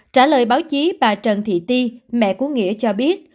trả lời báo chí bà trần thị ti mẹ của nghĩa cho biết